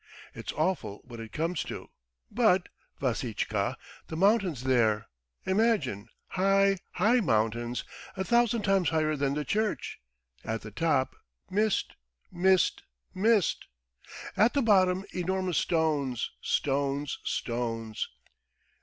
It's awful what it comes to! But, Vassitchka, the mountains there! Imagine high, high mountains, a thousand times higher than the church. ... At the top mist, mist, mist. ... At the bottom enormous stones, stones, stones.